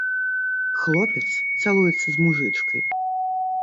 Хлопец цалуецца з мужычкай!